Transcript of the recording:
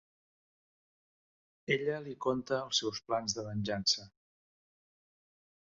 Ella li conta els seus plans de venjança.